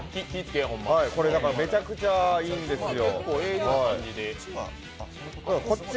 これ、めちゃくちゃいいんですよ。